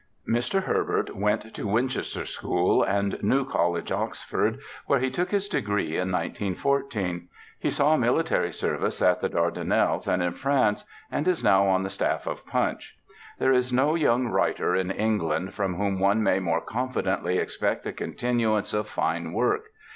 Mr. Herbert went to Winchester School and New College, Oxford, where he took his degree in 1914. He saw military service at the Dardanelles and in France, and is now on the staff of Punch. There is no young writer in England from whom one may more confidently expect a continuance of fine work.